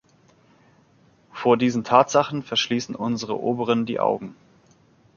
Vor diesen Tatsachen verschließen unsere Oberen die Augen.